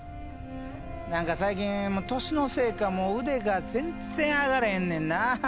何か最近年のせいか腕が全然上がらへんねんな。